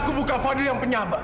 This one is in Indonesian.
dan aku bukan fadil yang penyambar